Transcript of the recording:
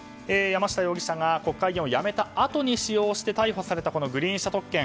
山下容疑者が国会議員を辞めたあとに使用して逮捕されたこのグリーン車特権。